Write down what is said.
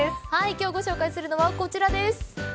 今日ご紹介するのはこちらです。